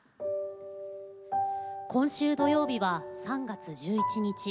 今週、土曜日は３月１１日。